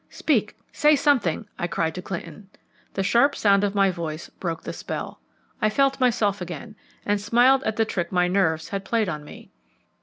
"Speak; say something," I cried to Clinton. The sharp sound of my voice broke the spell. I felt myself again, and smiled at the trick my nerves had played on me.